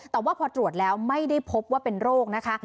แต่ว่าพอตรวจแล้วไม่ได้พบว่าเป็นโรคนะคะ